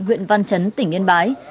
huyện văn trấn tỉnh yên bái